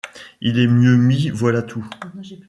Il est mieux mis, voilà tout!